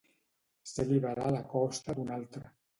Ser liberal a costa d'un altre.